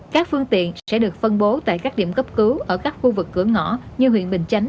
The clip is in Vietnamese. các phương tiện sẽ được phân bố tại các điểm cấp cứu ở các khu vực cửa ngõ như huyện bình chánh